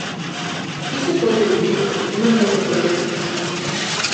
Iso pode dicilo, non teño problema.